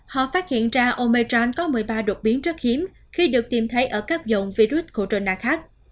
họ phát hiện ra omejan có một mươi ba đột biến rất hiếm khi được tìm thấy ở các dòng virus corona khác